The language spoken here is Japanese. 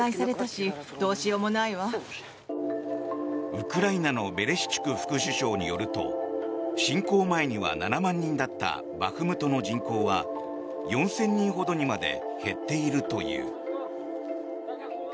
ウクライナのベレシュチュク副首相によると侵攻前には７万人だったバフムトの人口は４０００人ほどにまで減っているという。